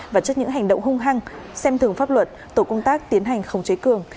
và trước những hành động hung hăng xem thường pháp luật tổ công tác tiến hành khống chế cường